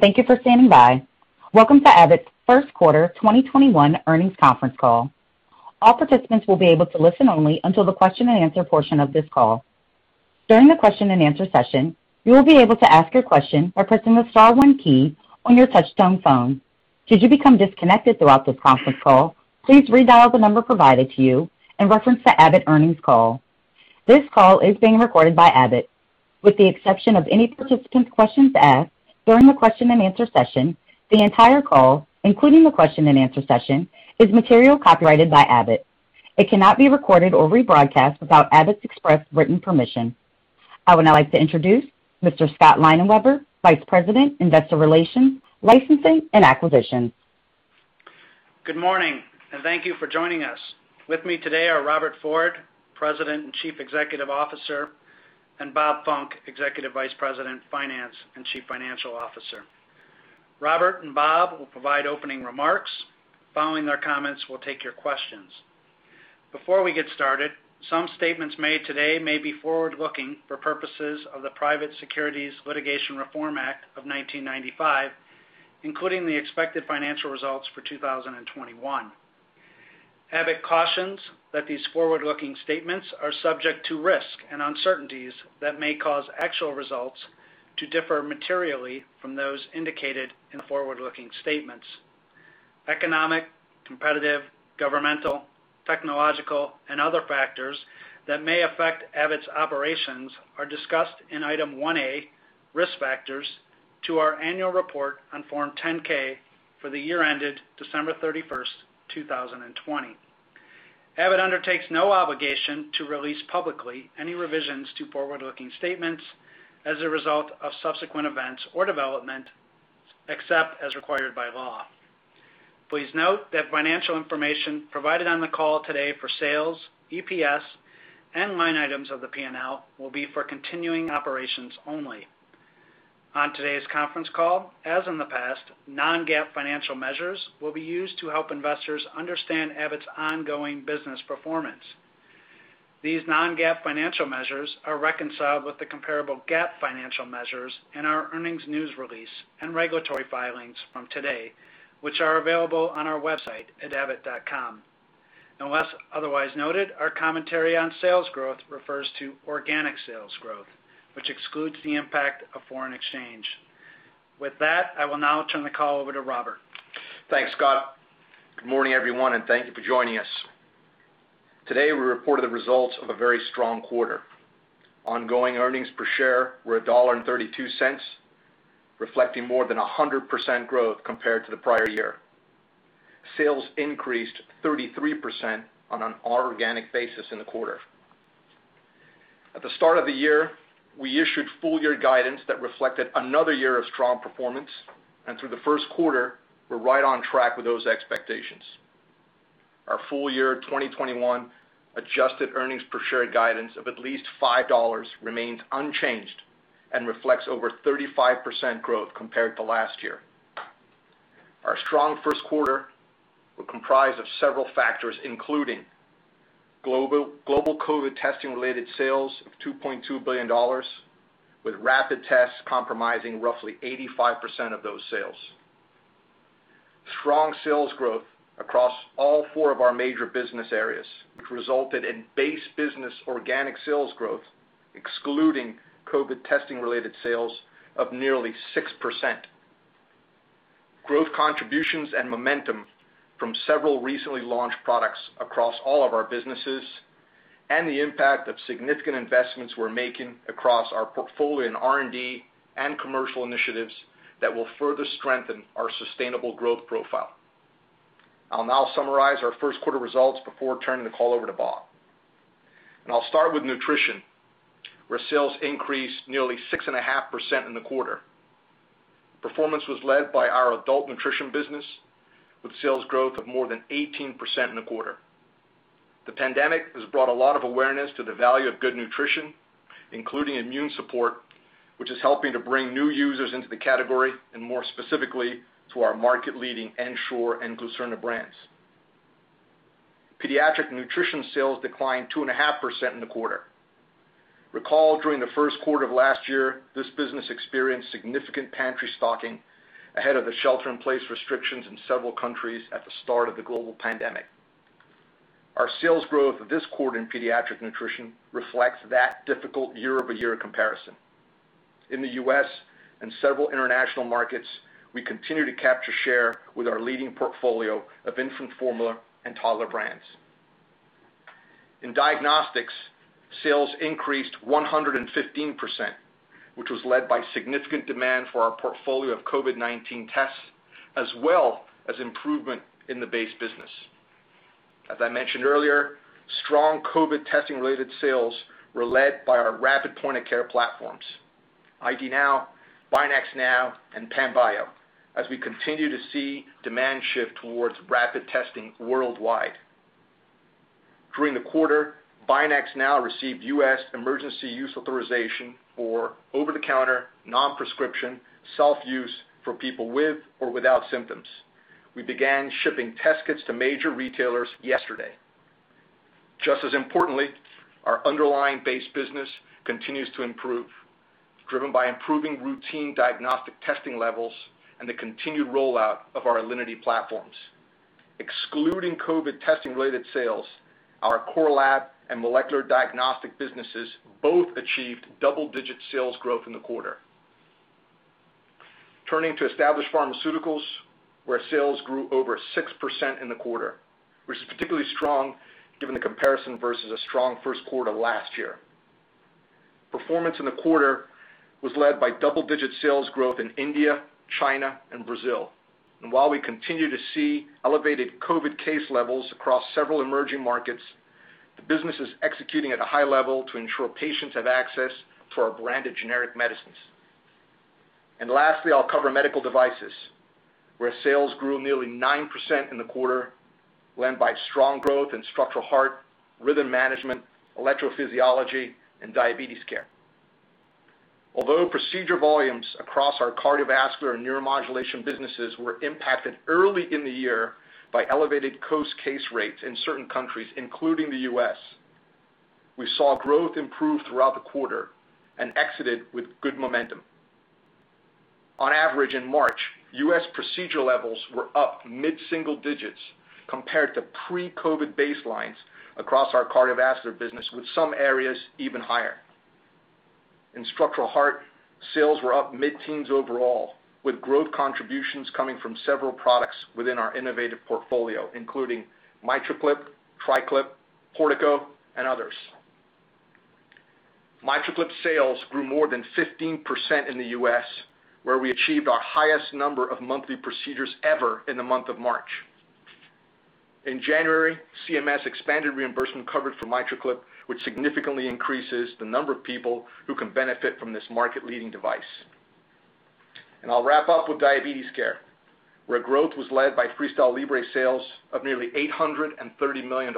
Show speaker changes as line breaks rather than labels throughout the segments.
Thank you for standing by. Welcome to Abbott's first quarter 2021 earnings conference call. All participants will be able to listen only until the question-and-answer portion of this call. During the question and answer session, you will be able to ask your question by pressing the star one key on your touchtone phone. Should you become disconnected throughout this conference call, please redial the number provided to you and reference the Abbott earnings call. This call is being recorded by Abbott. With the exception of any participant questions asked during the question-and-answer session, the entire call, including the question-and-answer session, is material copyrighted by Abbott. It cannot be recorded or rebroadcast without Abbott's express written permission. I would now like to introduce Mr. Scott Leinenweber, Vice President, Investor Relations, Licensing and Acquisitions.
Good morning, and thank you for joining us. With me today are Robert Ford, President and Chief Executive Officer, and Bob Funck, Executive Vice President, Finance, and Chief Financial Officer. Robert and Bob will provide opening remarks. Following their comments, we'll take your questions. Before we get started, some statements made today may be forward-looking for purposes of the Private Securities Litigation Reform Act of 1995, including the expected financial results for 2021. Abbott cautions that these forward-looking statements are subject to risk and uncertainties that may cause actual results to differ materially from those indicated in the forward-looking statements. Economic, competitive, governmental, technological, and other factors that may affect Abbott's operations are discussed in Item 1A, Risk Factors, to our annual report on Form 10-K for the year-ended December 31st, 2020. Abbott undertakes no obligation to release publicly any revisions to forward-looking statements as a result of subsequent events or development, except as required by law. Please note that financial information provided on the call today for sales, EPS, and line items of the P&L will be for continuing operations only. On today's conference call, as in the past, non-GAAP financial measures will be used to help investors understand Abbott's ongoing business performance. These non-GAAP financial measures are reconciled with the comparable GAAP financial measures in our earnings news release and regulatory filings from today, which are available on our website at abbott.com. Unless otherwise noted, our commentary on sales growth refers to organic sales growth, which excludes the impact of foreign exchange. With that, I will now turn the call over to Robert.
Thanks, Scott. Good morning, everyone, and thank you for joining us. Today, we reported the results of a very strong quarter. Ongoing earnings per share were $1.32, reflecting more than 100% growth compared to the prior year. Sales increased 33% on an all organic basis in the quarter. At the start of the year, we issued full-year guidance that reflected another year of strong performance, and through the first quarter, we're right on track with those expectations. Our full-year 2021 adjusted earnings per share guidance of at least $5 remains unchanged and reflects over 35% growth compared to last year. Our strong first quarter were comprised of several factors, including global COVID testing related sales of $2.2 billion, with rapid tests comprising roughly 85% of those sales. Strong sales growth across all four of our major business areas, which resulted in base business organic sales growth, excluding COVID testing related sales, of nearly 6%. Growth contributions and momentum from several recently launched products across all of our businesses, and the impact of significant investments we're making across our portfolio in R&D and commercial initiatives that will further strengthen our sustainable growth profile. I'll now summarize our first quarter results before turning the call over to Bob. I'll start with nutrition, where sales increased nearly 6.5% in the quarter. Performance was led by our adult nutrition business with sales growth of more than 18% in the quarter. The pandemic has brought a lot of awareness to the value of good nutrition, including immune support, which is helping to bring new users into the category and more specifically, to our market leading Ensure and Glucerna brands. Pediatric nutrition sales declined 2.5% in the quarter. Recall, during the first quarter of last year, this business experienced significant pantry stocking ahead of the shelter in place restrictions in several countries at the start of the global pandemic. Our sales growth this quarter in pediatric nutrition reflects that difficult year-over-year comparison. In the U.S. and several international markets, we continue to capture share with our leading portfolio of infant formula and toddler brands. In diagnostics, sales increased 115%, which was led by significant demand for our portfolio of COVID-19 tests, as well as improvement in the base business. As I mentioned earlier, strong COVID testing related sales were led by our rapid point-of-care platforms, ID NOW, BinaxNOW, and Panbio, as we continue to see demand shift towards rapid testing worldwide. During the quarter, BinaxNOW received U.S. emergency use authorization for over-the-counter, non-prescription, self-use for people with or without symptoms. We began shipping test kits to major retailers yesterday. Just as importantly, our underlying base business continues to improve, driven by improving routine diagnostic testing levels and the continued rollout of our Alinity platforms. Excluding COVID testing related sales, our Core Lab and molecular diagnostic businesses both achieved double-digit sales growth in the quarter. Turning to Established Pharmaceuticals, where sales grew over 6% in the quarter, which is particularly strong given the comparison versus a strong first quarter last year. Performance in the quarter was led by double-digit sales growth in India, China, and Brazil. While we continue to see elevated COVID case levels across several emerging markets, the business is executing at a high level to ensure patients have access to our branded generic medicines. Lastly, I'll cover medical devices, where sales grew nearly 9% in the quarter, led by strong growth in Structural Heart, rhythm management, electrophysiology, and diabetes care. Although procedure volumes across our cardiovascular and neuromodulation businesses were impacted early in the year by elevated COVID case rates in certain countries, including the U.S. We saw growth improve throughout the quarter and exited with good momentum. On average in March, U.S. procedure levels were up mid-single digits compared to pre-COVID baselines across our cardiovascular business, with some areas even higher. In Structural Heart, sales were up mid-teens overall, with growth contributions coming from several products within our innovative portfolio, including MitraClip, TriClip, Portico and others. MitraClip sales grew more than 15% in the U.S., where we achieved our highest number of monthly procedures ever in the month of March. In January, CMS expanded reimbursement coverage for MitraClip, which significantly increases the number of people who can benefit from this market-leading device. I'll wrap up with diabetes care, where growth was led by FreeStyle Libre sales of nearly $830 million.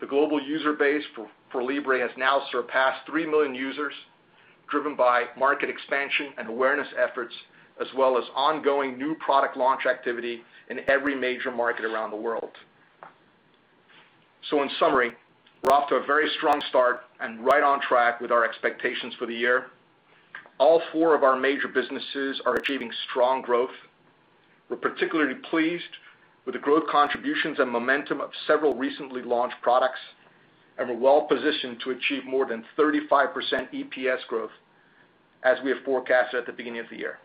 The global user base for Libre has now surpassed three million users, driven by market expansion and awareness efforts as well as ongoing new product launch activity in every major market around the world. In summary, we're off to a very strong start and right on track with our expectations for the year. All four of our major businesses are achieving strong growth. We're particularly pleased with the growth contributions and momentum of several recently launched products, and we're well positioned to achieve more than 35% EPS growth as we have forecasted at the beginning of the year.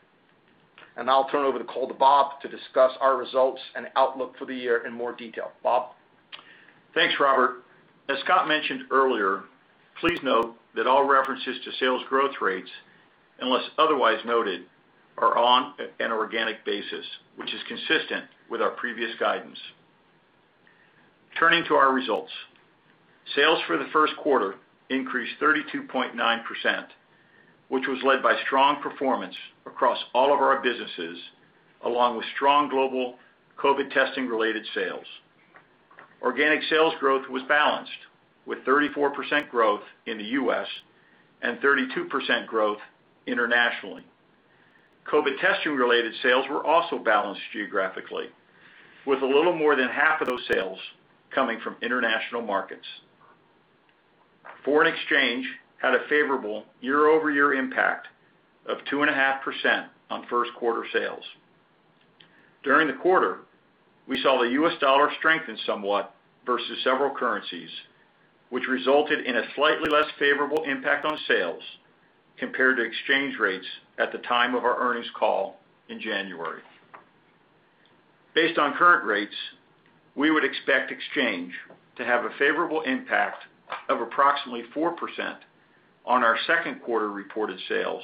Now I'll turn over the call to Bob to discuss our results and outlook for the year in more detail. Bob?
Thanks, Robert. As Scott mentioned earlier, please note that all references to sales growth rates, unless otherwise noted, are on an organic basis, which is consistent with our previous guidance. Turning to our results. Sales for the first quarter increased 32.9%, which was led by strong performance across all of our businesses, along with strong global COVID testing related sales. Organic sales growth was balanced with 34% growth in the U.S. and 32% growth internationally. COVID testing related sales were also balanced geographically, with a little more than half of those sales coming from international markets. Foreign exchange had a favorable year-over-year impact of 2.5% on first quarter sales. During the quarter, we saw the U.S. dollar strengthen somewhat versus several currencies, which resulted in a slightly less favorable impact on sales compared to exchange rates at the time of our earnings call in January. Based on current rates, we would expect exchange to have a favorable impact of approximately 4% on our second quarter reported sales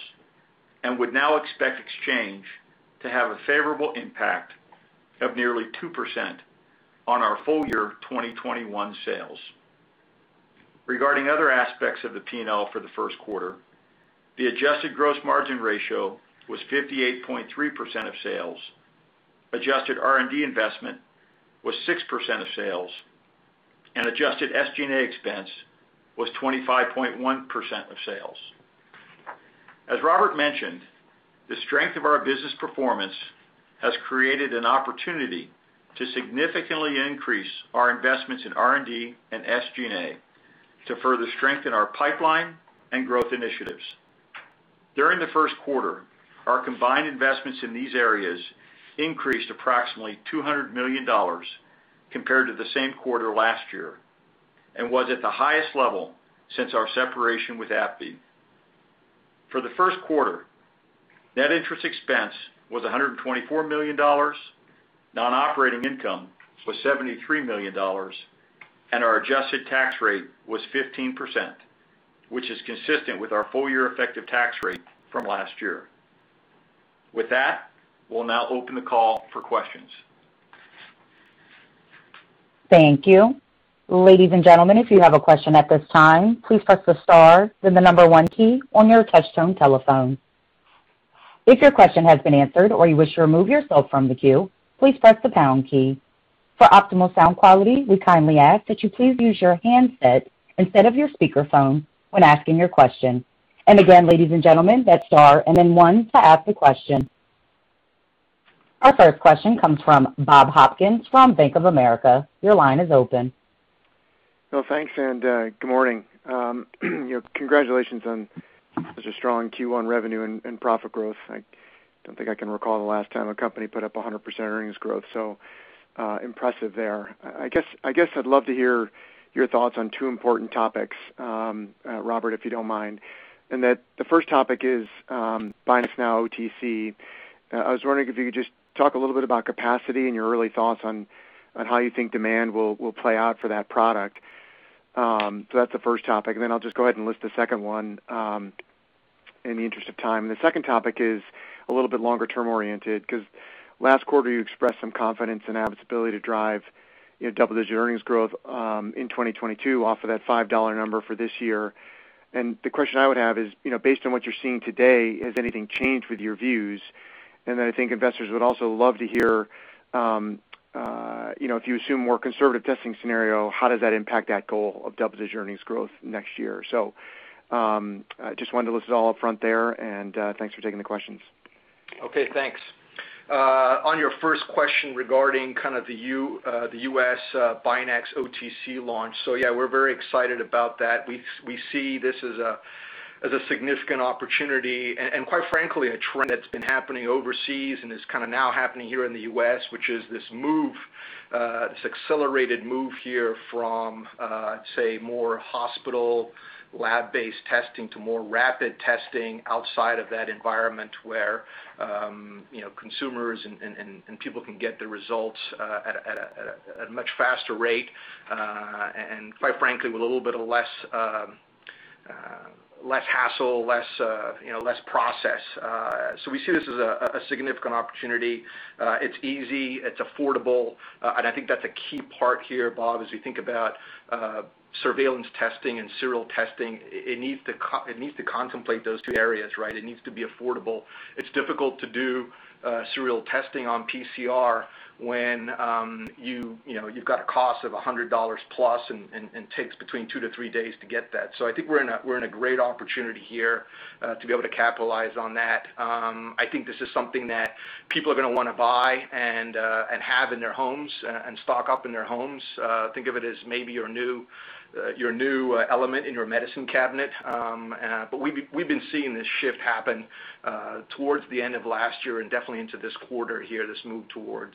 and would now expect exchange to have a favorable impact of nearly 2% on our full-year 2021 sales. Regarding other aspects of the P&L for the first quarter, the adjusted gross margin ratio was 58.3% of sales. Adjusted R&D investment was 6% of sales, and adjusted SG&A expense was 25.1% of sales. As Robert mentioned, the strength of our business performance has created an opportunity to significantly increase our investments in R&D and SG&A to further strengthen our pipeline and growth initiatives. During the first quarter, our combined investments in these areas increased approximately $200 million compared to the same quarter last year and was at the highest level since our separation with AbbVie. For the first quarter, net interest expense was $124 million, non-operating income was $73 million, our adjusted tax rate was 15%, which is consistent with our full-year effective tax rate from last year. With that, we'll now open the call for questions.
Thank you. Ladies and gentlemen, if you have a question at this time, please press the star then the number one key on your touch-tone telephone. If your question has been answered or you wish to remove yourself from the queue, please press the pound key for upmost sound quality. We kindly ask that you please use your handset instead of your speakerphone when asking your questions. And again, ladies and gentlemen, that star and then one to ask the question. Ladies and gentlemen, Our first question comes from Bob Hopkins from Bank of America. Your line is open.
Thanks, and good morning. Congratulations on such a strong Q1 revenue and profit growth. I don't think I can recall the last time a company put up 100% earnings growth. Impressive there. I guess I'd love to hear your thoughts on two important topics, Robert, if you don't mind. The first topic is BinaxNOW OTC. I was wondering if you could just talk a little bit about capacity and your early thoughts on how you think demand will play out for that product. That's the first topic. Then I'll just go ahead and list the second one in the interest of time. The second topic is a little bit longer-term-oriented, last quarter, you expressed some confidence in Abbott's ability to drive double-digit earnings growth in 2022 off of that $5 number for this year. The question I would have is, based on what you're seeing today, has anything changed with your views? I think investors would also love to hear if you assume a more conservative testing scenario, how does that impact that goal of double-digit earnings growth next year? Just wanted to list it all up front there, and thanks for taking the questions.
Okay, thanks. On your first question regarding kind of the U.S. BinaxNOW OTC launch. Yeah, we're very excited about that. We see this as a significant opportunity and quite frankly, a trend that's been happening overseas and is kind of now happening here in the U.S., which is this accelerated move here from, say, more hospital lab-based testing to more rapid testing outside of that environment where consumers and people can get the results at a much faster rate, and quite frankly, with a little bit of less hassle, less process. We see this as a significant opportunity. It's easy, it's affordable, and I think that's a key part here, Bob, as we think about surveillance testing and serial testing. It needs to contemplate those two areas, right? It needs to be affordable. It's difficult to do serial testing on PCR when you've got a cost of $100+ and takes between 2-3 days to get that. I think we're in a great opportunity here to be able to capitalize on that. I think this is something that people are going to want to buy and have in their homes and stock up in their homes. Think of it as maybe your new element in your medicine cabinet. We've been seeing this shift happen towards the end of last year and definitely into this quarter here, this move towards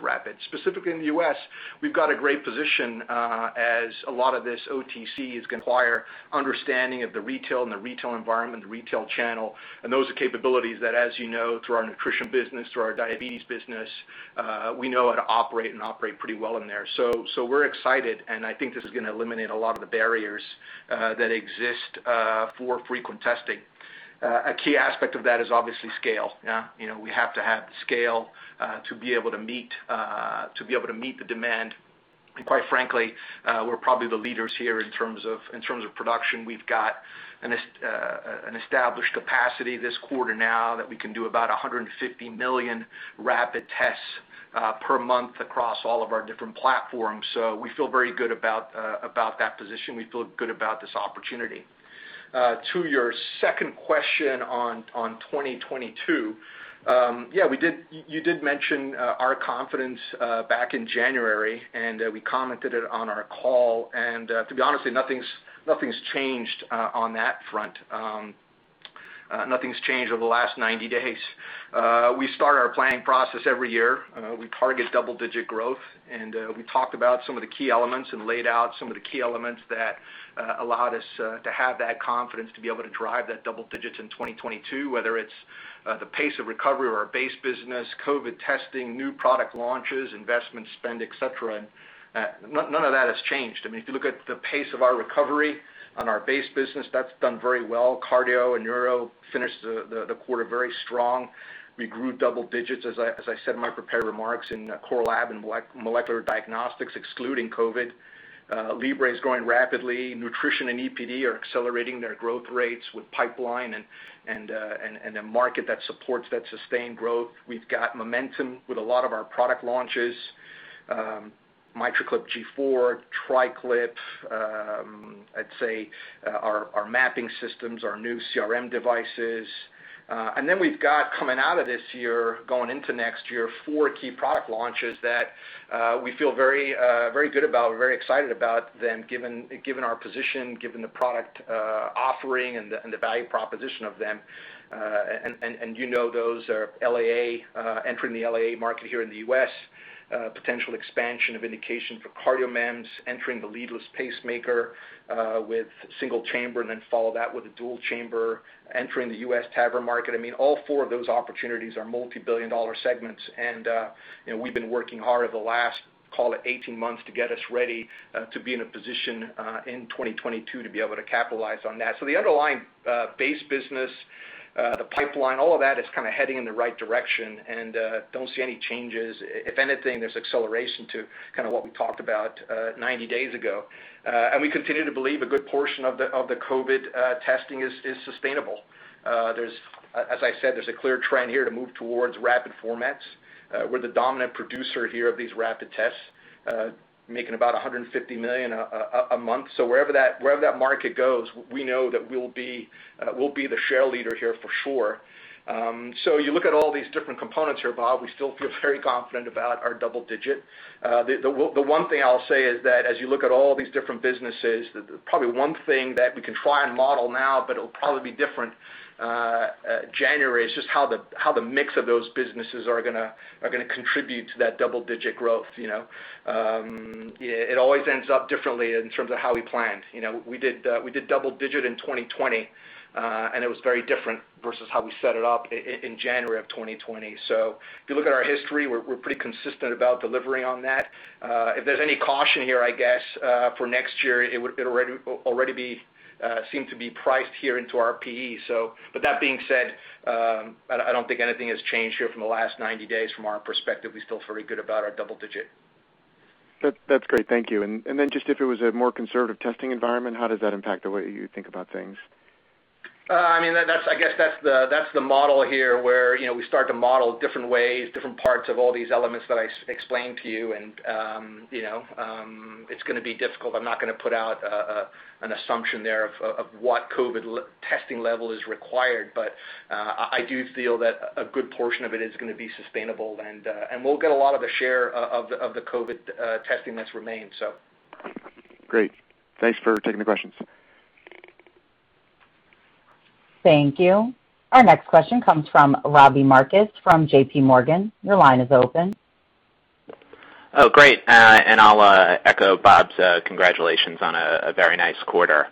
rapid. Specifically in the U.S., we've got a great position as a lot of this OTC is going to require understanding of the retail and the retail environment, the retail channel, and those are capabilities that, as you know, through our nutrition business, through our diabetes business, we know how to operate and operate pretty well in there. We're excited, and I think this is going to eliminate a lot of the barriers that exist for frequent testing. A key aspect of that is obviously scale. We have to have the scale to be able to meet the demand. Quite frankly, we're probably the leaders here in terms of production. We've got an established capacity this quarter now that we can do about 150 million rapid tests per month across all of our different platforms. We feel very good about that position. We feel good about this opportunity. To your second question on 2022. You did mention our confidence back in January, and we commented it on our call. To be honest, nothing's changed on that front. Nothing's changed over the last 90 days. We start our planning process every year. We target double-digit growth, and we talked about some of the key elements and laid out some of the key elements that allowed us to have that confidence to be able to drive that double digits in 2022, whether it's the pace of recovery or our base business, COVID testing, new product launches, investment spend, et cetera. None of that has changed. If you look at the pace of our recovery on our base business, that's done very well. cardio and neuro finished the quarter very strong. We grew double digits, as I said in my prepared remarks in Core Lab and molecular diagnostics, excluding COVID. Libre is growing rapidly. Nutrition and EPD are accelerating their growth rates with pipeline and a market that supports that sustained growth. We've got momentum with a lot of our product launches, MitraClip G4, TriClip, I'd say our mapping systems, our new CRM devices. We've got coming out of this year, going into next year, four key product launches that we feel very good about. We're very excited about them, given our position, given the product offering, and the value proposition of them. You know those are LAA, entering the LAA market here in the U.S., potential expansion of indication for CardioMEMS, entering the leadless pacemaker with single chamber and then follow that with a dual chamber, entering the U.S. TAVR market. All four of those opportunities are multi-billion dollar segments, and we've been working hard over the last, call it 18 months, to get us ready to be in a position in 2022 to be able to capitalize on that. The underlying base business. The pipeline, all of that is heading in the right direction. Don't see any changes. If anything, there's acceleration to what we talked about 90 days ago. We continue to believe a good portion of the COVID testing is sustainable. As I said, there's a clear trend here to move towards rapid formats. We're the dominant producer here of these rapid tests, making about 150 million a month. Wherever that market goes, we know that we'll be the share leader here for sure. You look at all these different components here, Bob, we still feel very confident about our double-digit. The one thing I'll say is that as you look at all these different businesses, probably one thing that we can try and model now, but it'll probably be different January, is just how the mix of those businesses are going to contribute to that double-digit growth. It always ends up differently in terms of how we planned. We did double-digit in 2020, and it was very different versus how we set it up in January of 2020. If you look at our history, we're pretty consistent about delivering on that. If there's any caution here, I guess, for next year, it would already seem to be priced here into our PEs. That being said, I don't think anything has changed here from the last 90 days from our perspective. We feel very good about our double-digit.
That's great. Thank you. Just if it was a more conservative testing environment, how does that impact the way you think about things?
I guess that's the model here where we start to model different ways, different parts of all these elements that I explained to you, and it's going to be difficult. I'm not going to put out an assumption there of what COVID testing level is required, but I do feel that a good portion of it is going to be sustainable, and we'll get a lot of the share of the COVID testing that's remained.
Great. Thanks for taking the questions.
Thank you. Our next question comes from Robbie Marcus from JPMorgan. Your line is open.
Oh, great. I'll echo Bob's congratulations on a very nice quarter.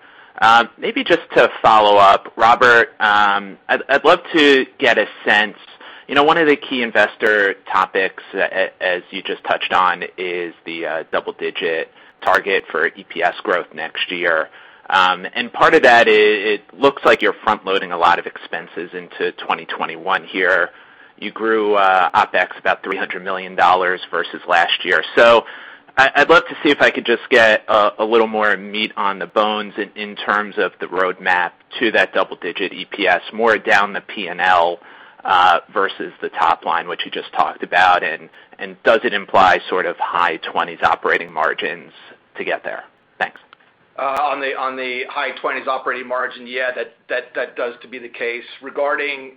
Maybe just to follow up, Robert, I'd love to get a sense. One of the key investor topics, as you just touched on, is the double-digit target for EPS growth next year. Part of that, it looks like you're front-loading a lot of expenses into 2021 here. You grew OpEx about $300 million versus last year. I'd love to see if I could just get a little more meat on the bones in terms of the roadmap to that double-digit EPS, more down the P&L versus the top line, which you just talked about. Does it imply sort of high 20s operating margins to get there? Thanks.
On the high 20s operating margin, yeah, that does to be the case. Regarding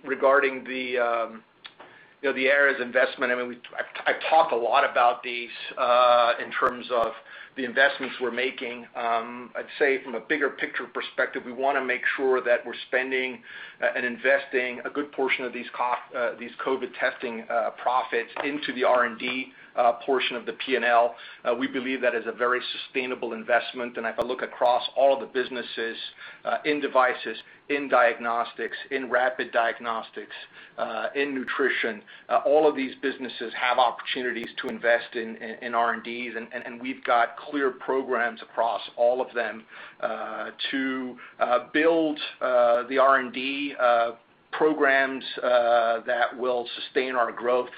the areas investment, I talk a lot about these in terms of the investments we're making. I'd say from a bigger picture perspective, we want to make sure that we're spending and investing a good portion of these COVID testing profits into the R&D portion of the P&L. We believe that is a very sustainable investment, and if I look across all the businesses in devices, in diagnostics, in rapid diagnostics, in nutrition, all of these businesses have opportunities to invest in R&Ds, and we've got clear programs across all of them to build the R&D programs that will sustain our growth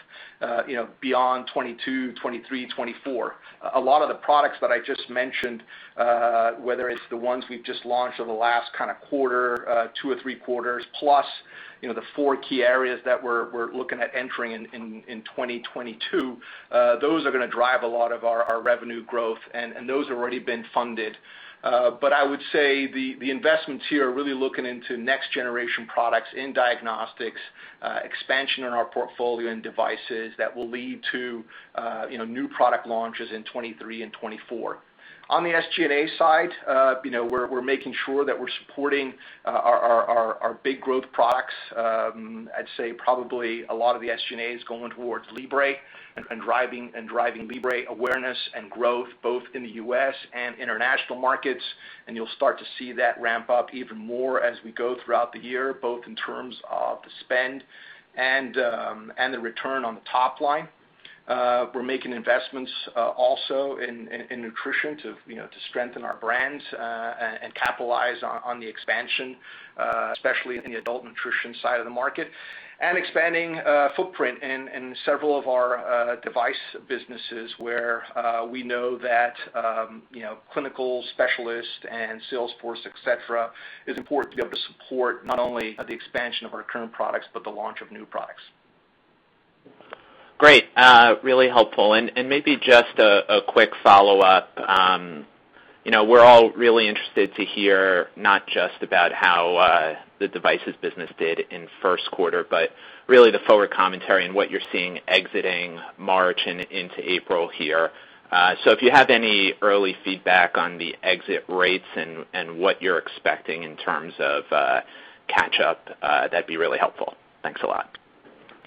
beyond 2022, 2023, 2024. A lot of the products that I just mentioned, whether it's the ones we've just launched over the last quarter, two or three quarters, plus the four key areas that we're looking at entering in 2022, those are going to drive a lot of our revenue growth, and those have already been funded. I would say the investments here are really looking into next generation products in diagnostics, expansion in our portfolio in devices that will lead to new product launches in 2023 and 2024. On the SG&A side, we're making sure that we're supporting our big growth products. I'd say probably a lot of the SG&A is going towards Libre and driving Libre awareness and growth, both in the U.S. and international markets. You'll start to see that ramp up even more as we go throughout the year, both in terms of the spend and the return on the top line. We're making investments also in nutrition to strengthen our brands and capitalize on the expansion, especially in the adult nutrition side of the market. Expanding footprint in several of our device businesses where we know that clinical specialists and sales force, et cetera, is important to be able to support not only the expansion of our current products, but the launch of new products.
Great. Really helpful. Maybe just a quick follow-up. We're all really interested to hear not just about how the devices business did in first quarter, but really the forward commentary and what you're seeing exiting March and into April here. If you have any early feedback on the exit rates and what you're expecting in terms of catch-up, that'd be really helpful. Thanks a lot.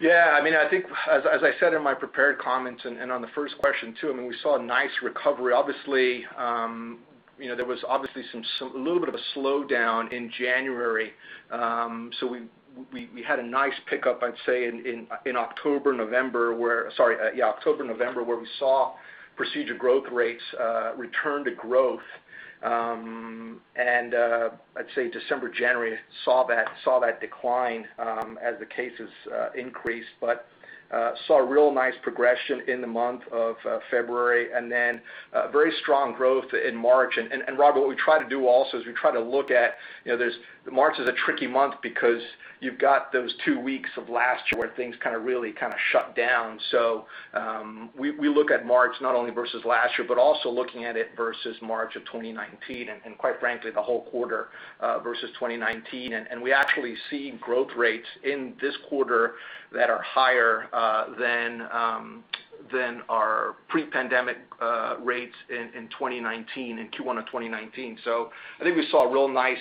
Yeah, I think as I said in my prepared comments and on the first question, too, we saw a nice recovery. There was obviously a little bit of a slowdown in January. We had a nice pickup, I'd say, in October, November, where we saw procedure growth rates return to growth. I'd say December, January saw that decline as the cases increased, but saw a real nice progression in the month of February and then very strong growth in March. Robert, what we try to do also is we try to look at, March is a tricky month because you've got those two weeks of last year where things kind of really shut down. We look at March not only versus last year, but also looking at it versus March of 2019 and quite frankly, the whole quarter versus 2019. We actually see growth rates in this quarter that are higher than our pre-pandemic rates in 2019, in Q1 2019. I think we saw a real nice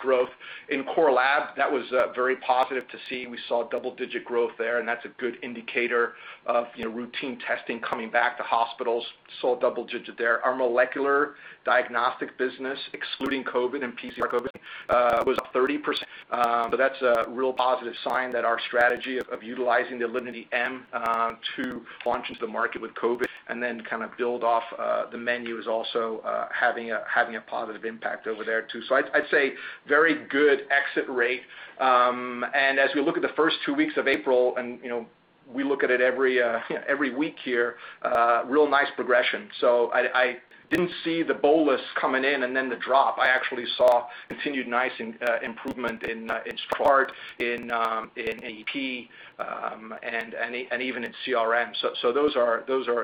growth in Core Lab. That was very positive to see. We saw double-digit growth there, and that's a good indicator of routine testing coming back to hospitals, saw double-digit there. Our molecular diagnostic business, excluding COVID and PCR COVID, was up 30%. That's a real positive sign that our strategy of utilizing the Alinity m to launch into the market with COVID and then kind of build off the menu is also having a positive impact over there, too. I'd say very good exit rate. As we look at the first two weeks of April, and we look at it every week here, a real nice progression. I didn't see the bolus coming in and then the drop. I actually saw continued nice improvement in STRAT, in EP, and even in CRM.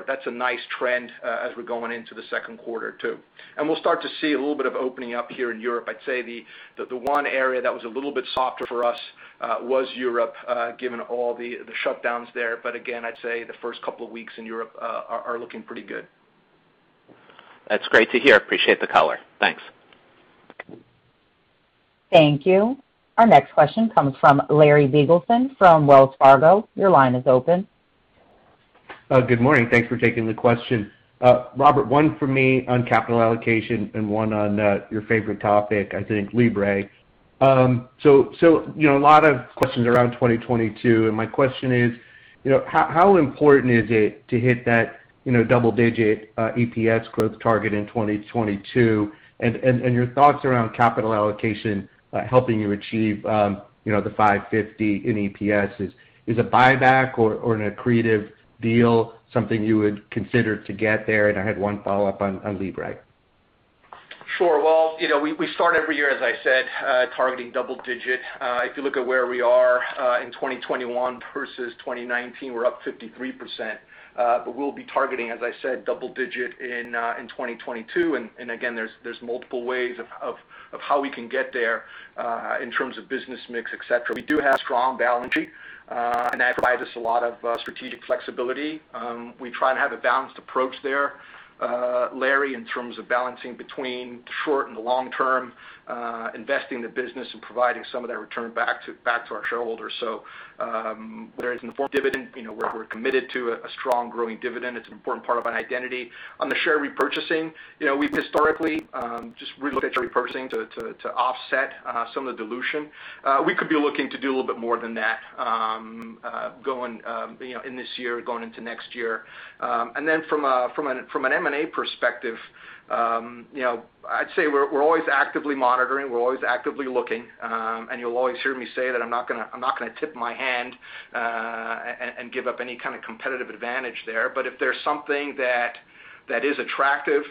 That's a nice trend as we're going into the second quarter, too. We'll start to see a little bit of opening up here in Europe. I'd say the one area that was a little bit softer for us was Europe, given all the shutdowns there. Again, I'd say the first couple of weeks in Europe are looking pretty good.
That's great to hear. Appreciate the color. Thanks.
Thank you. Our next question comes from Larry Biegelsen from Wells Fargo. Your line is open.
Good morning. Thanks for taking the question. Bob, one for me on capital allocation and one on your favorite topic, I think, Libre. A lot of questions around 2022, and my question is, how important is it to hit that double-digit EPS growth target in 2022? Your thoughts around capital allocation helping you achieve the $5.50 in EPS. Is a buyback or an accretive deal something you would consider to get there? I had one follow-up on Libre.
Sure. We start every year, as I said, targeting double-digit. If you look at where we are in 2021 versus 2019, we're up 53%. We'll be targeting, as I said, double-digit in 2022. Again, there's multiple ways of how we can get there in terms of business mix, et cetera. We do have strong balance sheet, and that provides us a lot of strategic flexibility. We try to have a balanced approach there, Larry, in terms of balancing between the short and the long-term, investing the business and providing some of that return back to our shareholders. There is an important dividend. We're committed to a strong growing dividend. It's an important part of our identity. On the share repurchasing, we've historically just looked at share repurchasing to offset some of the dilution. We could be looking to do a little bit more than that in this year, going into next year. From an M&A perspective, I'd say we're always actively monitoring, we're always actively looking, and you'll always hear me say that I'm not going to tip my hand and give up any kind of competitive advantage there. If there's something that is attractive,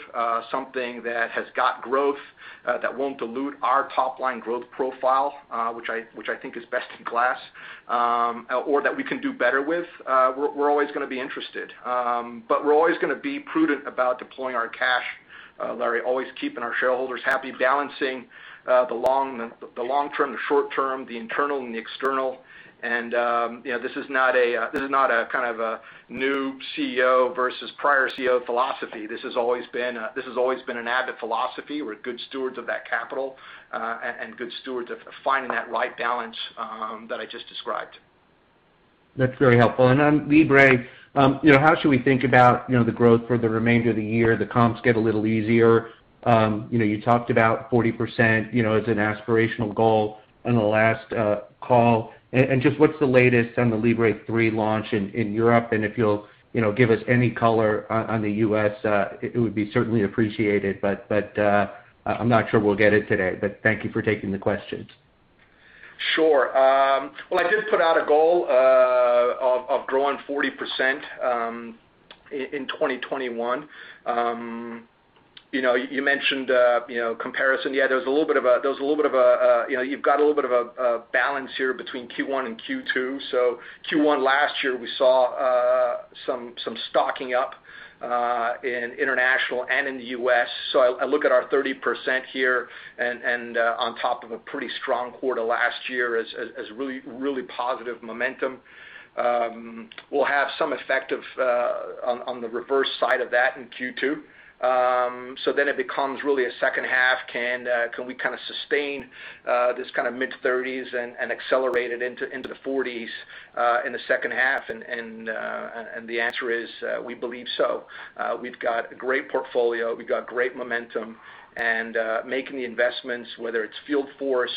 something that has got growth that won't dilute our top-line growth profile, which I think is best in class, or that we can do better with, we're always going to be interested. We're always going to be prudent about deploying our cash, Larry, always keeping our shareholders happy, balancing the long-term, the short-term, the internal, and the external. This is not a kind of a new CEO versus prior CEO philosophy. This has always been an Abbott philosophy. We're good stewards of that capital and good stewards of finding that right balance that I just described.
That's very helpful. On Libre, how should we think about the growth for the remainder of the year? The comps get a little easier. You talked about 40% as an aspirational goal on the last call. Just what's the latest on the Libre 3 launch in Europe? If you'll give us any color on the U.S., it would be certainly appreciated, but I'm not sure we'll get it today. Thank you for taking the questions.
Sure. Well, I did put out a goal of growing 40% in 2021. You mentioned comparison. Yeah, you've got a little bit of a balance here between Q1 and Q2. Q1 last year, we saw some stocking up in international and in the U.S. I look at our 30% here and on top of a pretty strong quarter last year as really positive momentum. We'll have some effect on the reverse side of that in Q2. It becomes really a second half, can we kind of sustain this kind of mid-30s and accelerate it into the 40s in the second half? The answer is, we believe so. We've got a great portfolio. We've got great momentum and making the investments, whether it's field force,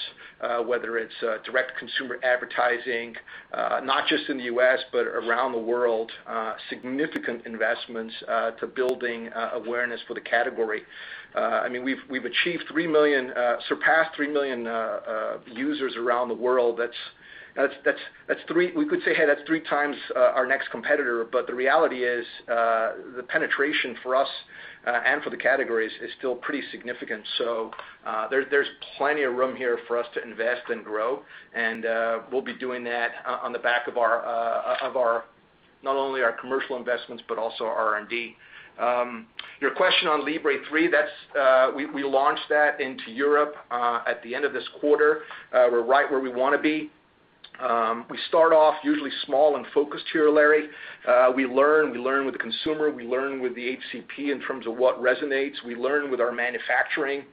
whether it's direct consumer advertising, not just in the U.S. but around the world, significant investments to building awareness for the category. I mean, we've surpassed 3 million users around the world. That's 3. We could say, Hey, that's 3x our next competitor, but the reality is, the penetration for us and for the categories is still pretty significant. There's plenty of room here for us to invest and grow. We'll be doing that on the back of not only our commercial investments, but also R&D. Your question on Libre 3, we launched that into Europe at the end of this quarter. We're right where we want to be. We start off usually small and focused here, Larry. We learn with the consumer. We learn with the HCP in terms of what resonates. We learn with our manufacturing.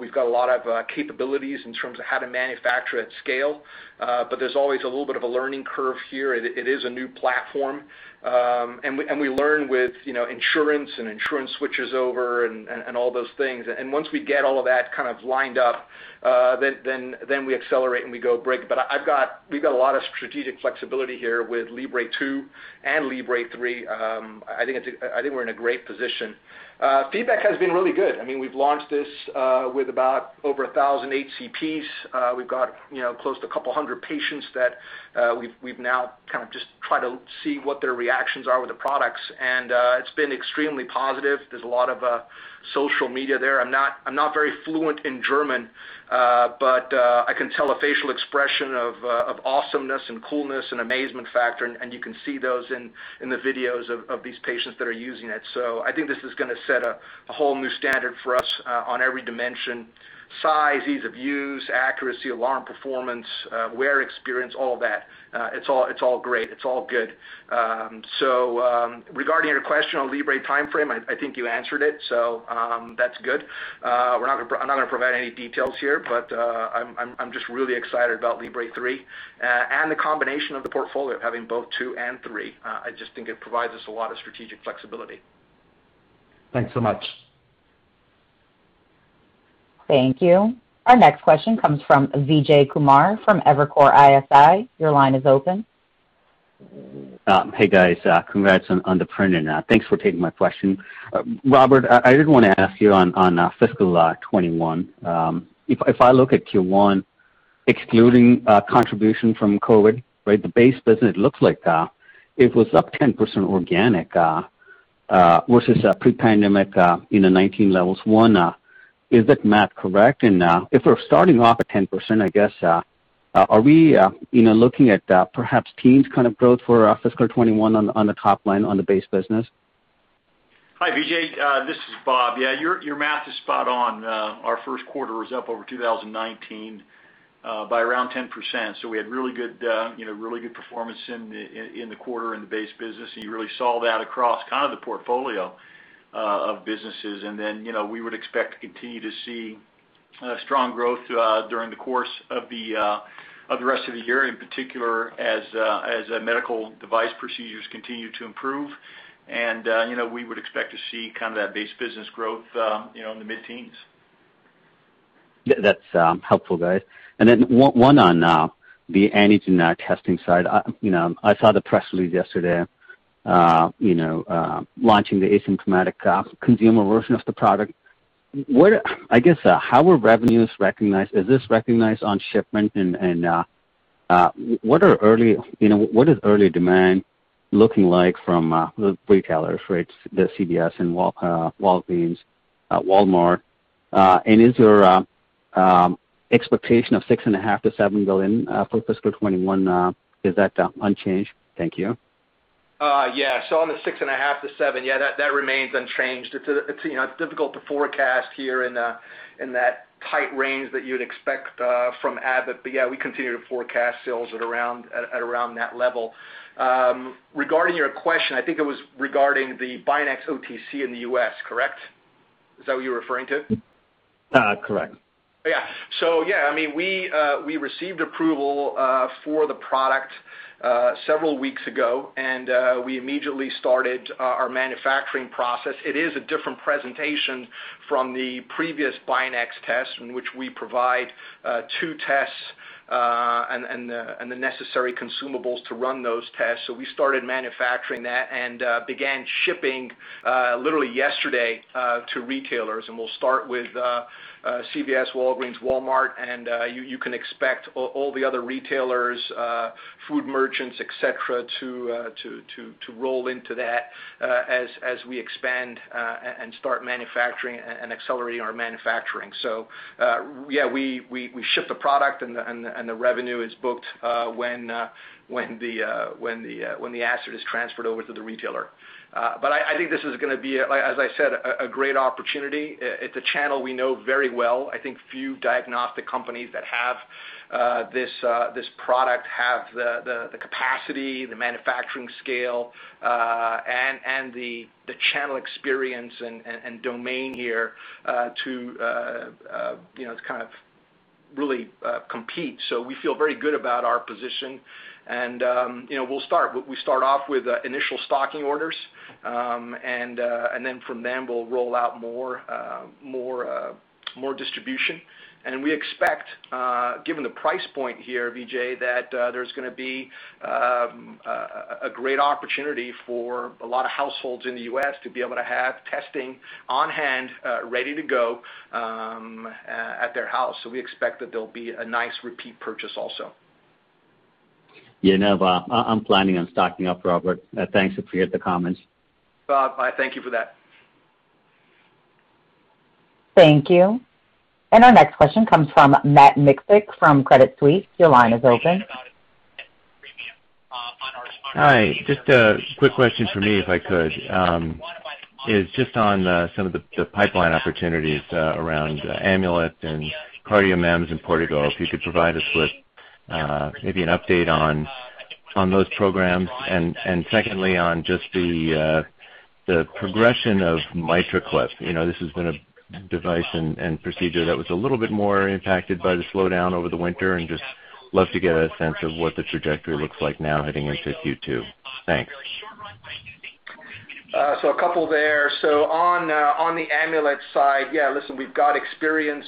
We've got a lot of capabilities in terms of how to manufacture at scale. There's always a little bit of a learning curve here. It is a new platform. We learn with insurance and insurance switches over and all those things. Once we get all of that kind of lined up, then we accelerate and we go big. We've got a lot of strategic flexibility here with Libre 2 and Libre 3. I think we're in a great position. Feedback has been really good. We've launched this with about over 1,000 HCPs. We've got close to a couple of hundred patients that we've now kind of just try to see what their reactions are with the products, and it's been extremely positive. There's a lot of social media there. I'm not very fluent in German, but I can tell a facial expression of awesomeness and coolness and amazement factor, and you can see those in the videos of these patients that are using it. I think this is going to set a whole new standard for us on every dimension, size, ease of use, accuracy, alarm performance, wear experience, all that. It's all great. It's all good. Regarding your question on Libre timeframe, I think you answered it, so that's good. I'm not going to provide any details here, but I'm just really excited about Libre 3 and the combination of the portfolio of having both 2 and 3. I just think it provides us a lot of strategic flexibility.
Thanks so much.
Thank you. Our next question comes from Vijay Kumar from Evercore ISI. Your line is open.
Hey, guys. Congrats on the print, and thanks for taking my question. Bob, I did want to ask you on fiscal 2021. If I look at Q1, excluding contribution from COVID, the base business looks like it was up 10% organic versus pre-pandemic in the 2019 levels. One, is that math correct? If we're starting off at 10%, I guess, are we looking at perhaps teens kind of growth for fiscal 2021 on the top line on the base business?
Hi, Vijay. This is Bob. Your math is spot on. Our first quarter was up over 2019 by around 10%. We had really good performance in the quarter in the base business, you really saw that across kind of the portfolio of businesses. We would expect to continue to see strong growth during the course of the rest of the year, in particular as medical device procedures continue to improve. We would expect to see kind of that base business growth in the mid-teens.
That's helpful, guys. One on the antigen testing side. I saw the press release yesterday launching the asymptomatic consumer version of the product. I guess, how are revenues recognized? Is this recognized on shipment? What is early demand looking like from the retailers, right? The CVS and Walgreens, Walmart. Is your expectation of $6.5 billion-$7 billion for fiscal 2021, is that unchanged? Thank you.
Yeah. On the $6.5 billion-$7 billion, yeah, that remains unchanged. It's difficult to forecast here in that tight range that you would expect from Abbott. Yeah, we continue to forecast sales at around that level. Regarding your question, I think it was regarding the BinaxNOW OTC in the U.S., correct? Is that what you're referring to?
Correct.
Yeah. Yeah, we received approval for the product several weeks ago, and we immediately started our manufacturing process. It is a different presentation from the previous Binax test, in which we provide two tests and the necessary consumables to run those tests. We started manufacturing that and began shipping literally yesterday to retailers. We'll start with CVS, Walgreens, Walmart, and you can expect all the other retailers, food merchants, et cetera, to roll into that as we expand and start manufacturing and accelerating our manufacturing. Yeah, we ship the product, and the revenue is booked when the asset is transferred over to the retailer. I think this is going to be, as I said, a great opportunity. It's a channel we know very well. I think few diagnostic companies that have this product have the capacity, the manufacturing scale, and the channel experience and domain here to kind of really compete. We feel very good about our position. We'll start off with initial stocking orders, and then from then we'll roll out more distribution. We expect, given the price point here, Vijay, that there's going to be a great opportunity for a lot of households in the U.S. to be able to have testing on hand, ready to go at their house. We expect that there'll be a nice repeat purchase also.
I'm planning on stocking up, Robert. Thanks for your comments.
Bye. Thank you for that.
Thank you. Our next question comes from Matt Miksic from Credit Suisse. Your line is open.
Hi. Just a quick question from me, if I could. It's just on some of the pipeline opportunities around Amulet and CardioMEMS and Portico. If you could provide us with maybe an update on those programs and secondly, on just the progression of MitraClip. This has been a device and procedure that was a little bit more impacted by the slowdown over the winter. Just love to get a sense of what the trajectory looks like now heading into Q2. Thanks.
A couple there. On the Amulet side, yeah, listen, we've got experience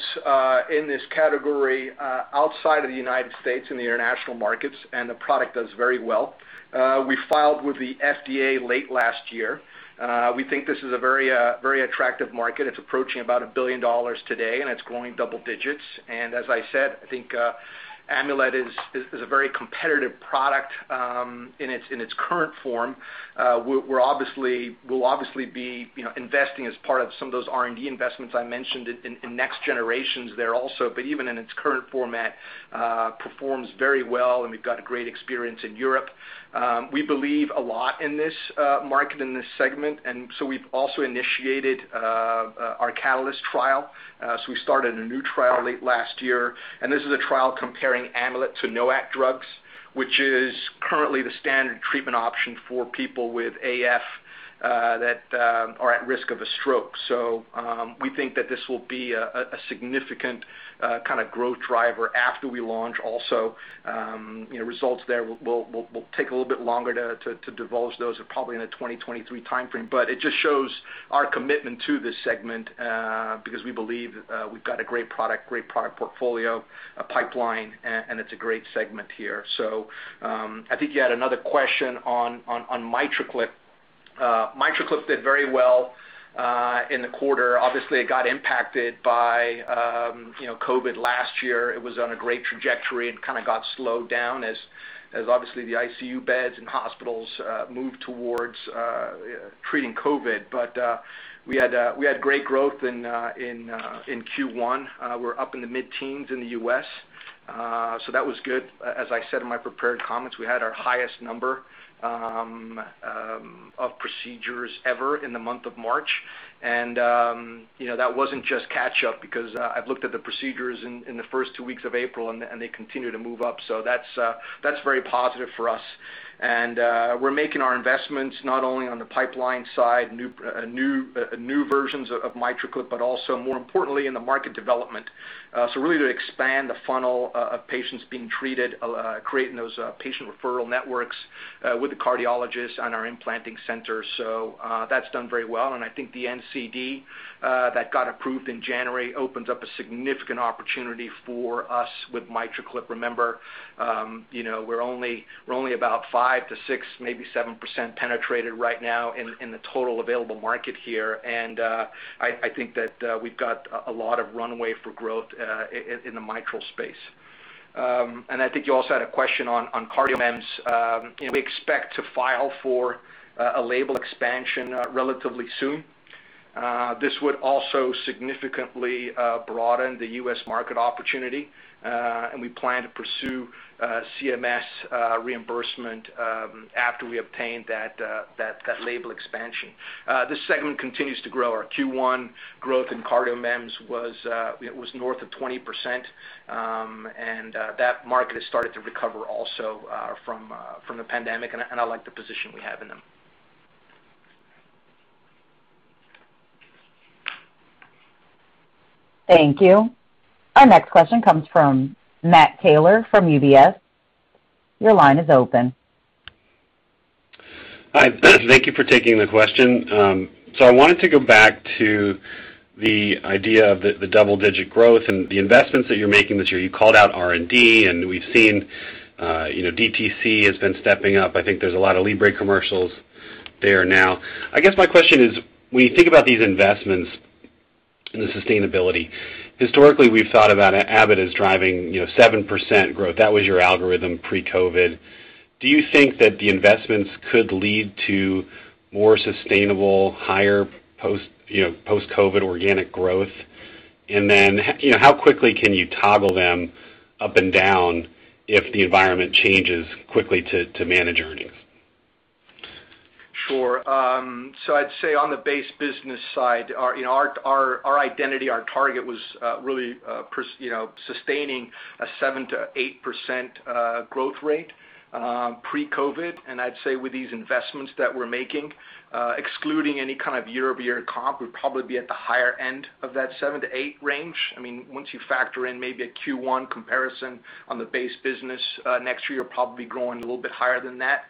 in this category outside of the United States in the international markets, and the product does very well. We filed with the FDA late last year. We think this is a very attractive market. It's approaching $1 billion today, and it's growing double digits. As I said, I think Amulet is a very competitive product in its current form. We'll obviously be investing as part of some of those R&D investments I mentioned in next generations there also. Even in its current format, performs very well, and we've got a great experience in Europe. We believe a lot in this market, in this segment, We've also initiated our CATALYST trial. We started a new trial late last year, and this is a trial comparing Amulet to NOAC drugs, which is currently the standard treatment option for people with AF that are at risk of a stroke. We think that this will be a significant kind of growth driver after we launch also. Results there will take a little bit longer to divulge those are probably in the 2023 timeframe. It just shows our commitment to this segment because we believe we've got a great product, great product portfolio, a pipeline, and it's a great segment here. I think you had another question on MitraClip. MitraClip did very well in the quarter. Obviously, it got impacted by COVID last year. It was on a great trajectory. It kind of got slowed down as obviously the ICU beds and hospitals moved towards treating COVID. We had great growth in Q1. We're up in the mid-teens in the U.S. That was good. As I said in my prepared comments, we had our highest number of procedures ever in the month of March. That wasn't just catch-up because I've looked at the procedures in the first two weeks of April, and they continue to move up. That's very positive for us. We're making our investments not only on the pipeline side, new versions of MitraClip, but also more importantly in the market development. Really to expand the funnel of patients being treated, creating those patient referral networks with the cardiologists and our implanting centers. That's done very well, and I think the NCD that got approved in January opens up a significant opportunity for us with MitraClip. Remember, we're only about 5%-6%, maybe 7% penetrated right now in the total available market here, and I think that we've got a lot of runway for growth in the mitral space. I think you also had a question on CardioMEMS. We expect to file for a label expansion relatively soon. This would also significantly broaden the U.S. market opportunity, and we plan to pursue CMS reimbursement after we obtain that label expansion. This segment continues to grow. Our Q1 growth in CardioMEMS was north of 20%, and that market has started to recover also from the pandemic, and I like the position we have in them.
Thank you. Our next question comes from Matt Taylor from UBS. Your line is open.
Hi. Thank you for taking the question. I wanted to go back to the idea of the double-digit growth and the investments that you're making this year. You called out R&D, and we've seen DTC has been stepping up. I think there's a lot of Libre commercials there now. I guess my question is, when you think about these investments and the sustainability, historically, we've thought about Abbott as driving 7% growth. That was your algorithm pre-COVID. Do you think that the investments could lead to more sustainable, higher post-COVID organic growth? And then how quickly can you toggle them up and down if the environment changes quickly to manage earnings?
Sure. I'd say on the base business side, our identity, our target was really sustaining a 7%-8% growth rate pre-COVID. I'd say with these investments that we're making, excluding any kind of year-over-year comp, we'd probably be at the higher end of that 7%-8% range. Once you factor in maybe a Q1 comparison on the base business next year, probably growing a little bit higher than that,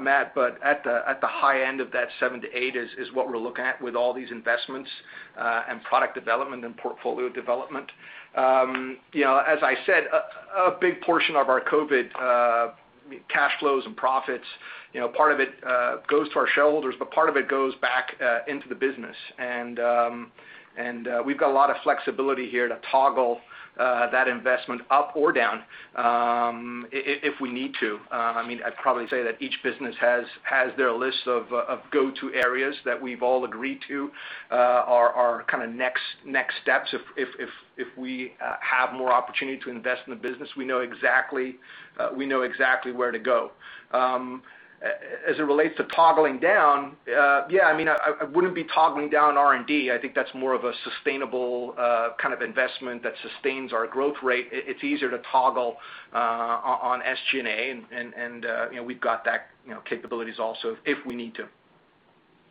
Matt. At the high end of that 7%-8% is what we're looking at with all these investments and product development and portfolio development. As I said, a big portion of our COVID cash flows and profits, part of it goes to our shareholders, but part of it goes back into the business. We've got a lot of flexibility here to toggle that investment up or down if we need to. I'd probably say that each business has their list of go-to areas that we've all agreed to are kind of next steps if we have more opportunity to invest in the business. We know exactly where to go. As it relates to toggling down, I wouldn't be toggling down R&D. I think that's more of a sustainable kind of investment that sustains our growth rate. It's easier to toggle on SG&A, and we've got that capabilities also if we need to.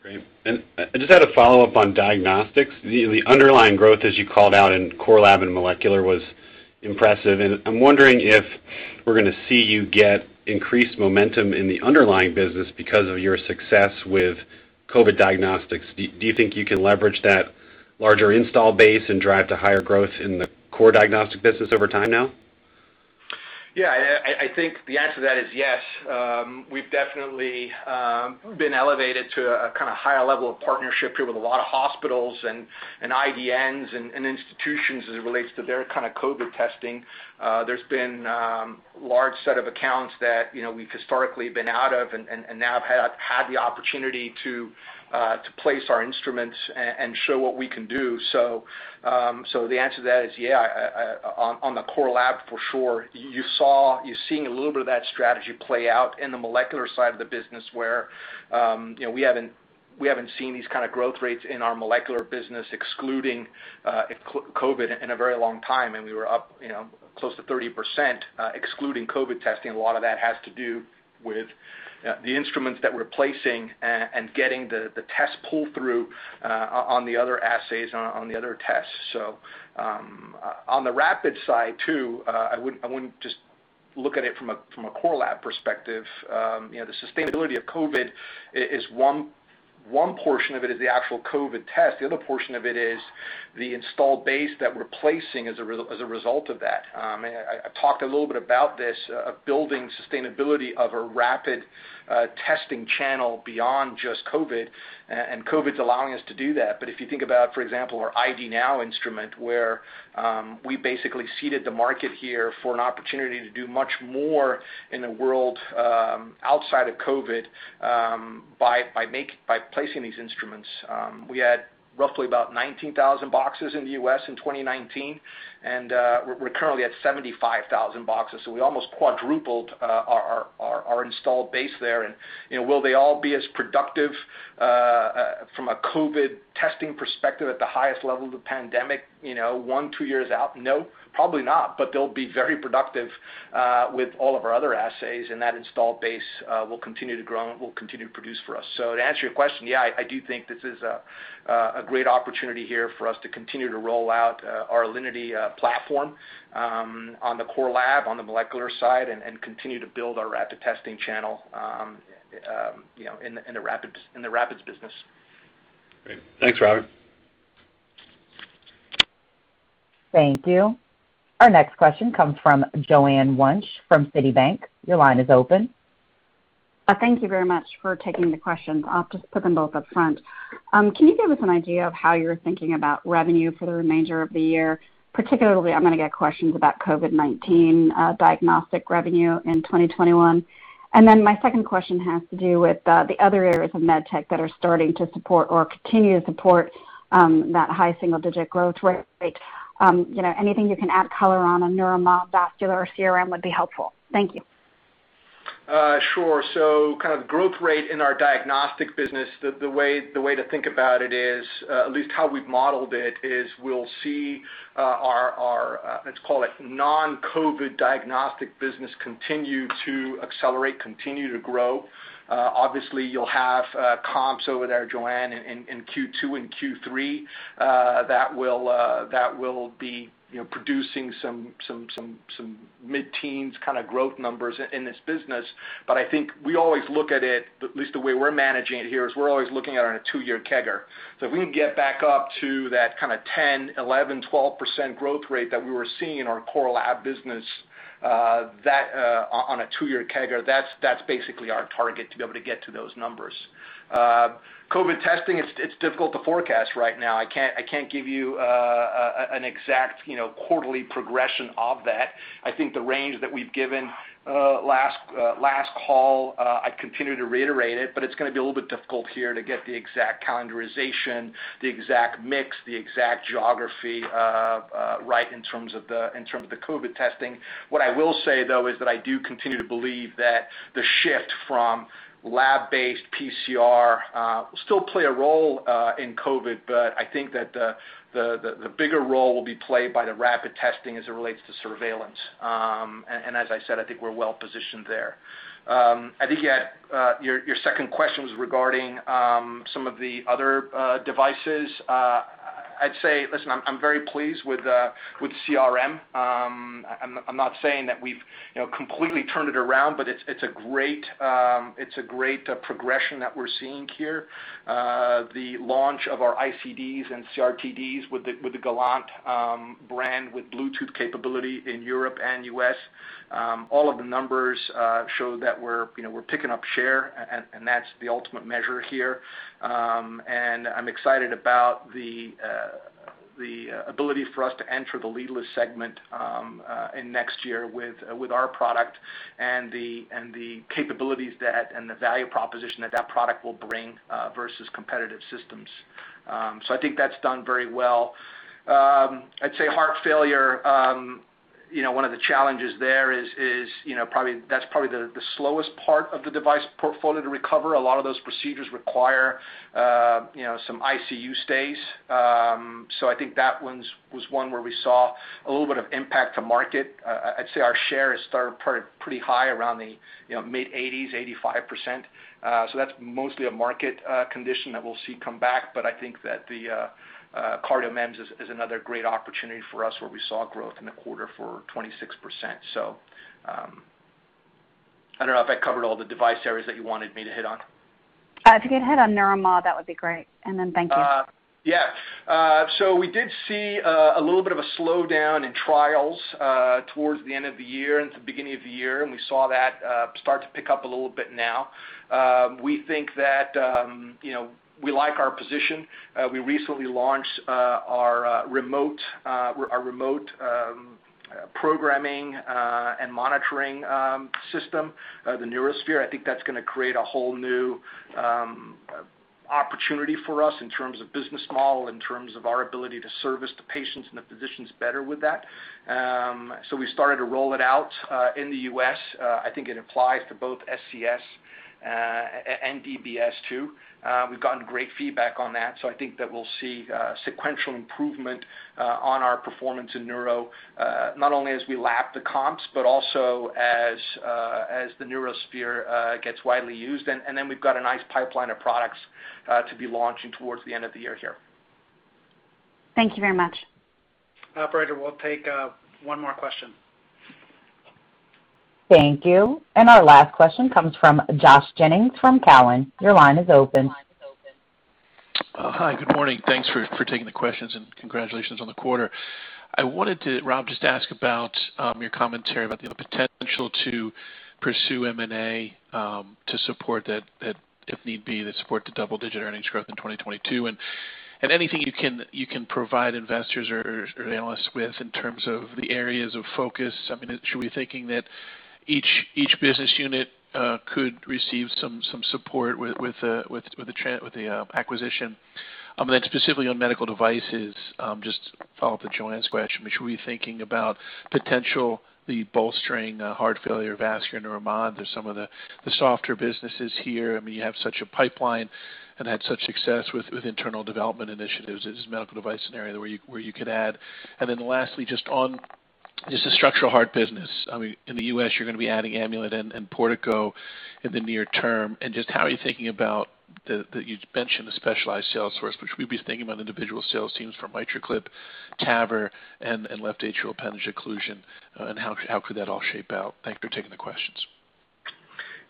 Great. I just had a follow-up on diagnostics. The underlying growth, as you called out in Core Lab and molecular, was impressive. I'm wondering if we're going to see you get increased momentum in the underlying business because of your success with COVID diagnostics. Do you think you can leverage that larger install base and drive to higher growth in the core diagnostic business over time now?
Yeah, I think the answer to that is yes. We've definitely been elevated to a kind of higher level of partnership here with a lot of hospitals and IDNs and institutions as it relates to their kind of COVID testing. There's been large set of accounts that we've historically been out of and now have had the opportunity to place our instruments and show what we can do. The answer to that is, yeah, on the Core Lab for sure. You're seeing a little bit of that strategy play out in the molecular side of the business where we haven't seen these kind of growth rates in our molecular business excluding COVID in a very long time, and we were up close to 30% excluding COVID testing. A lot of that has to do with the instruments that we're placing and getting the test pull through on the other assays, on the other tests. On the rapid side too, I wouldn't just look at it from a Core Lab perspective. The sustainability of COVID, one portion of it is the actual COVID test. The other portion of it is the installed base that we're placing as a result of that. I talked a little bit about this building sustainability of a rapid testing channel beyond just COVID, and COVID's allowing us to do that. If you think about, for example, our ID NOW instrument, where we basically seeded the market here for an opportunity to do much more in the world outside of COVID by placing these instruments. We had roughly about 19,000 boxes in the U.S. in 2019, and we're currently at 75,000 boxes. We almost quadrupled our installed base there. Will they all be as productive from a COVID testing perspective at the highest level of the pandemic one, two years out? No, probably not. They'll be very productive with all of our other assays, and that installed base will continue to grow and will continue to produce for us. To answer your question, yeah, I do think this is a great opportunity here for us to continue to roll out our Alinity platform on the Core Lab, on the molecular side, and continue to build our rapid testing channel in the rapids business.
Great. Thanks, Rob.
Thank you. Our next question comes from Joanne Wuensch from Citibank. Your line is open.
Thank you very much for taking the questions. I'll just put them both up front. Can you give us an idea of how you're thinking about revenue for the remainder of the year? Particularly, I'm going to get questions about COVID-19 diagnostic revenue in 2021. My second question has to do with the other areas of Medtech that are starting to support or continue to support that high single-digit growth rate. Anything you can add color on Neuromod, Vascular, or CRM would be helpful. Thank you.
Sure. Kind of growth rate in our diagnostic business, the way to think about it is, at least how we've modeled it is we'll see our, let's call it non-COVID diagnostic business continue to accelerate, continue to grow. Obviously, you'll have comps over there, Joanne, in Q2 and Q3 that will be producing some mid-teens kind of growth numbers in this business. I think we always look at it, at least the way we're managing it here, is we're always looking at it on a two-year CAGR. If we can get back up to that kind of 10%, 11%, 12% growth rate that we were seeing in our Core Lab business on a two-year CAGR, that's basically our target to be able to get to those numbers. COVID testing, it's difficult to forecast right now. I can't give you an exact quarterly progression of that. I think the range that we've given last call, I continue to reiterate it, but it's going to be a little bit difficult here to get the exact calendarization, the exact mix, the exact geography right in terms of the COVID testing. What I will say, though, is that I do continue to believe that the shift from lab-based PCR will still play a role in COVID, but I think that the bigger role will be played by the rapid testing as it relates to surveillance. As I said, I think we're well-positioned there. I think your second question was regarding some of the other devices. I'd say, listen, I'm very pleased with CRM. I'm not saying that we've completely turned it around, but it's a great progression that we're seeing here. The launch of our ICDs and CRT-Ds with the Gallant brand with Bluetooth capability in Europe and U.S. All of the numbers show that we're picking up share, and that's the ultimate measure here. I'm excited about the ability for us to enter the leadless segment in next year with our product and the capabilities and the value proposition that that product will bring versus competitive systems. I think that's done very well. I'd say heart failure. One of the challenges there is, that's probably the slowest part of the device portfolio to recover. A lot of those procedures require some ICU stays. I think that one was one where we saw a little bit of impact to market. I'd say our share is still pretty high, around the mid 80%s, 85%. That's mostly a market condition that we'll see come back. I think that the CardioMEMS is another great opportunity for us, where we saw growth in the quarter for 26%. I don't know if I covered all the device areas that you wanted me to hit on.
If you could hit on Neuromod, that would be great. Thank you.
Yeah. We did see a little bit of a slowdown in trials towards the end of the year and the beginning of the year, and we saw that start to pick up a little bit now. We think that we like our position. We recently launched our remote programming and monitoring system, the NeuroSphere. I think that's going to create a whole new opportunity for us in terms of business model, in terms of our ability to service the patients and the physicians better with that. We started to roll it out in the U.S. I think it applies to both SCS and DBS too. We've gotten great feedback on that, so I think that we'll see sequential improvement on our performance in neuro, not only as we lap the comps, but also as the NeuroSphere gets widely used. We've got a nice pipeline of products to be launching towards the end of the year here.
Thank you very much.
Operator, we'll take one more question.
Thank you. Our last question comes from Josh Jennings from Cowen. Your line is open.
Hi, good morning. Thanks for taking the questions and congratulations on the quarter. I wanted to, Rob, just ask about your commentary about the potential to pursue M&A to support that, if need be, to support the double-digit earnings growth in 2022. Anything you can provide investors or analysts with in terms of the areas of focus. I mean, should we be thinking that each business unit could receive some support with the acquisition? Specifically on Medical Devices, just to follow up with Joanne's question, should we be thinking about potentially bolstering Heart Failure, Vascular, Neuromod, or some of the softer businesses here? I mean, you have such a pipeline and had such success with internal development initiatives. Is this a Medical Device scenario where you could add? Lastly, just on the Structural Heart business. In the U.S., you're going to be adding Amulet and Portico in the near-term. How are you thinking about You mentioned the specialized sales force, but should we be thinking about individual sales teams for MitraClip, TAVR, and left atrial appendage occlusion? How could that all shape out? Thank you for taking the questions.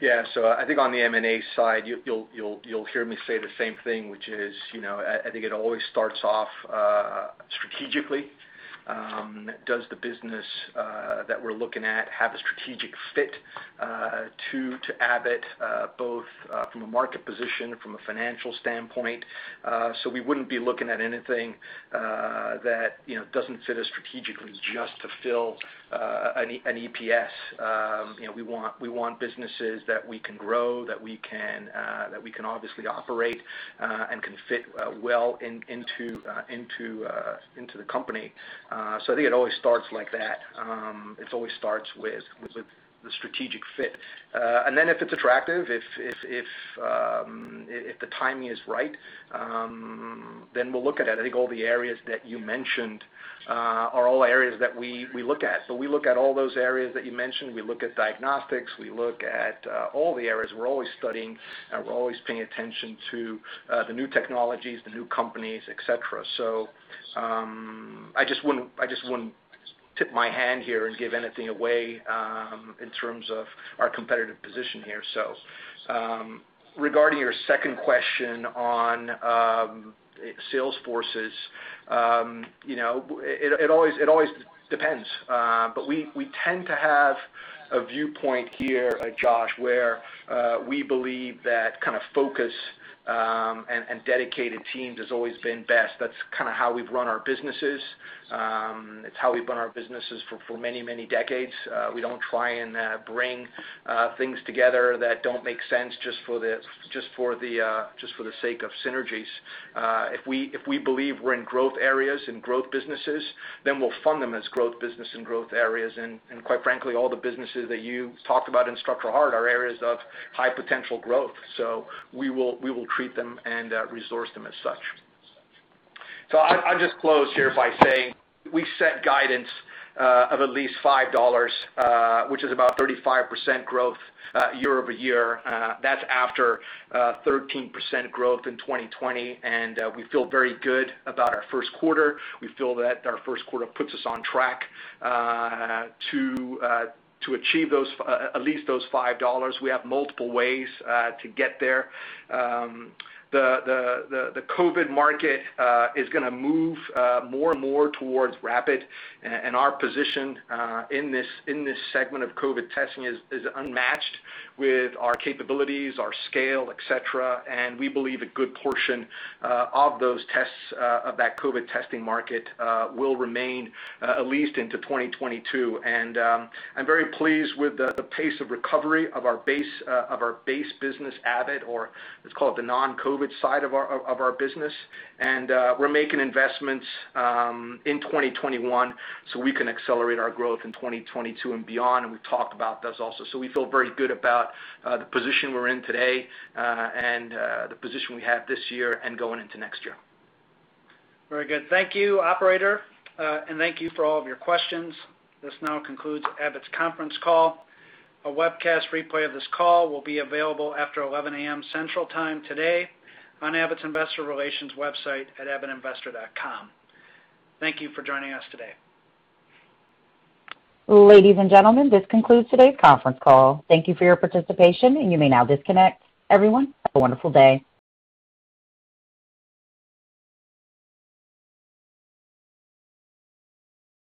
Yeah. I think on the M&A side, you'll hear me say the same thing, which is, I think it always starts off strategically. Does the business that we're looking at have a strategic fit to Abbott, both from a market position, from a financial standpoint? We wouldn't be looking at anything that doesn't fit us strategically just to fill an EPS. We want businesses that we can grow, that we can obviously operate, and can fit well into the company. I think it always starts like that. It always starts with the strategic fit. If it's attractive, if the timing is right, then we'll look at it. I think all the areas that you mentioned are all areas that we look at. We look at all those areas that you mentioned. We look at diagnostics. We look at all the areas. We're always studying, and we're always paying attention to the new technologies, the new companies, et cetera. I just wouldn't tip my hand here and give anything away in terms of our competitive position here. Regarding your second question on sales forces, it always depends. We tend to have a viewpoint here, Josh, where we believe that kind of focus and dedicated teams has always been best. That's kind of how we've run our businesses. It's how we've run our businesses for many, many decades. We don't try and bring things together that don't make sense just for the sake of synergies. If we believe we're in growth areas and growth businesses, then we'll fund them as growth business and growth areas. Quite frankly, all the businesses that you talked about in Structural Heart are areas of high potential growth. We will treat them and resource them as such. I'll just close here by saying we set guidance of at least $5, which is about 35% growth year-over-year. That's after 13% growth in 2020, and we feel very good about our first quarter. We feel that our first quarter puts us on track to achieve at least those $5. We have multiple ways to get there. The COVID market is going to move more and more towards rapid, and our position in this segment of COVID testing is unmatched with our capabilities, our scale, et cetera, and we believe a good portion of those tests, of that COVID testing market will remain at least into 2022. I'm very pleased with the pace of recovery of our base business, Abbott, or let's call it the non-COVID side of our business. We're making investments in 2021 so we can accelerate our growth in 2022 and beyond, and we've talked about this also. We feel very good about the position we're in today and the position we have this year and going into next year.
Very good. Thank you, operator, and thank you for all of your questions. This now concludes Abbott's conference call. A webcast replay of this call will be available after 11:00 A.M. Central Time today on abbottinvestor.com. Thank you for joining us today.
Ladies and gentlemen, this concludes today's conference call. Thank you for your participation, and you may now disconnect. Everyone, have a wonderful day.